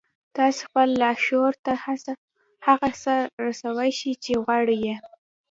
تاسې خپل لاشعور ته هغه څه رسولای شئ چې غواړئ يې.